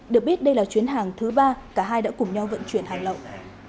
được biết đây là chuyến hàng thứ ba cả hai đã cùng nhau vận chuyển hàng lậu